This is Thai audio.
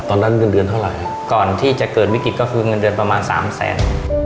เงินเดือนเท่าไหร่ก่อนที่จะเกิดวิกฤตก็คือเงินเดือนประมาณสามแสน